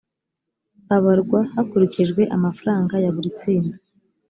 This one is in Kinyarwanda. abarwa hakurikijwe amafaranga ya buri tsinda